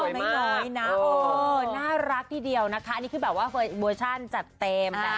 น้อยนะน่ารักทีเดียวนะคะอันนี้คือแบบว่าเวอร์ชันจัดเต็มนะ